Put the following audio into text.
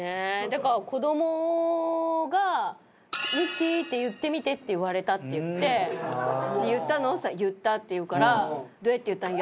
だから子どもが「“ミキティー！って言ってみて”って言われた」って言って「言ったの？」って言ったら「言った」って言うから「どうやって言ったの？